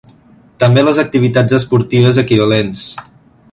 També les activitats esportives equivalents.